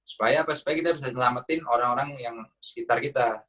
supaya apa supaya kita bisa selamatin orang orang yang sekitar kita